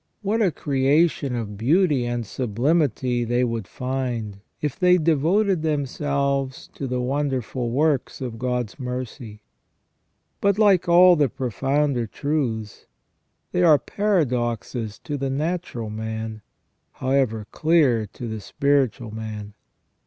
What a creation of beauty and sublimity they would find, if they devoted themselves to the wonderful works of God's mercy. But, like all the profounder truths, they are paradoxes to the natural man, however clear to the spiritual man.